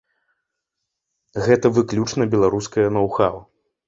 Гэта выключна беларускае ноу-хаў.